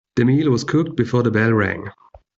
The meal was cooked before the bell rang.